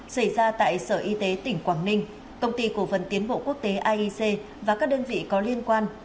xảy ra tại sở y tế tỉnh quảng ninh công ty cổ phần tiến bộ quốc tế aic và các đơn vị có liên quan